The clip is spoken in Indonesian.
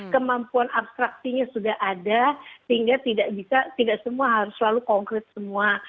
kemampuan abstraksinya sudah ada sehingga tidak bisa tidak semua harus selalu konkret semua